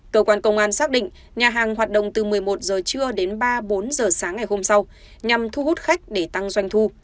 cơ quan công an xác định nhà hàng hoạt động từ một mươi một h trưa đến ba bốn h sáng ngày hôm sau nhằm thu hút khách để tăng doanh thu